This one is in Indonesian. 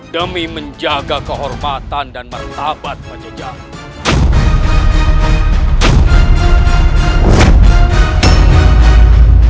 demi menjaga kehormatan dan martabat penyejak